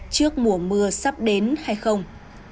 trước mùa mưa sắp đến hay không